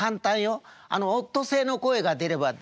オットセイの声が出ればできるから」。